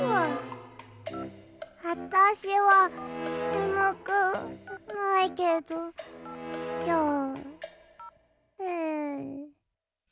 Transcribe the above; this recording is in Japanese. あたしはねむくないけどじゃあん。